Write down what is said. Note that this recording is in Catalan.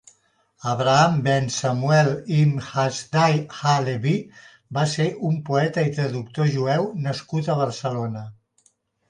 Abraham ben Samuel ibn Hasdai ha-Leví va ser un poeta i traductor jueu nascut a Barcelona.